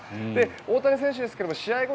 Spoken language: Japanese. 大谷選手ですが試合後